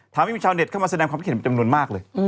ทำให้มีชาวเน็ตเข้ามาแสดงความคิดเห็นเป็นจำนวนมากเลย